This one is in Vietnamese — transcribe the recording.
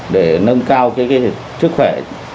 để nâng cao chức khỏe